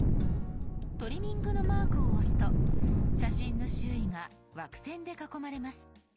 トリミングのマークを押すと写真の周囲が枠線で囲まれます。